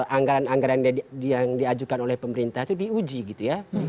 anggaran anggaran yang diajukan oleh pemerintah itu diuji gitu ya